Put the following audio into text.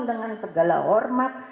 dengan segala hormat